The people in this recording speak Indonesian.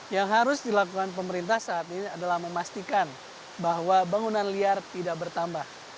yang harus dilakukan pemerintah saat ini adalah memastikan bahwa bangunan liar tidak bertambah